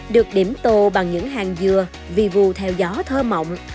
được điểm tô bằng những hàng dừa vì vu theo gió thơ mộng